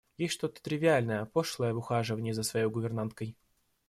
Есть что-то тривиальное, пошлое в ухаживаньи за своею гувернанткой.